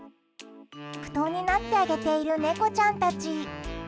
布団になってあげている猫ちゃんたち。